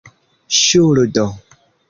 ŝuldo